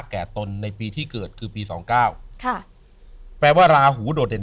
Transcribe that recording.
ตนในปีที่เกิดคือปีสองเก้าค่ะแปลว่าราหูโดดเด่น